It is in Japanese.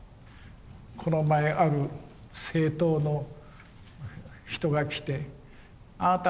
この前ある政党の人が来てあなた